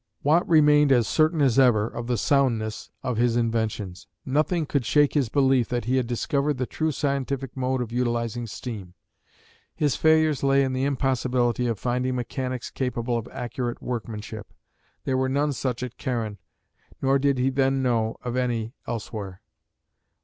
Watt remained as certain as ever of the soundness of his inventions. Nothing could shake his belief that he had discovered the true scientific mode of utilising steam. His failures lay in the impossibility of finding mechanics capable of accurate workmanship. There were none such at Carron, nor did he then know of any elsewhere.